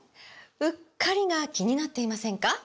“うっかり”が気になっていませんか？